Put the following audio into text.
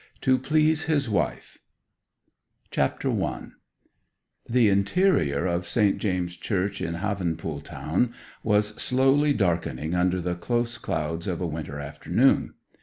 TO PLEASE HIS WIFE CHAPTER I The interior of St. James's Church, in Havenpool Town, was slowly darkening under the close clouds of a winter afternoon.